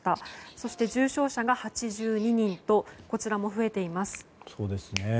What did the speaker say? そして重症者が８２人とこちらも増えています。